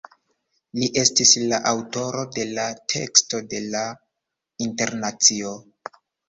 Li estis la aŭtoro de la teksto de "La Internacio".